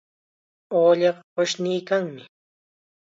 Ullaqa qushniykanmi.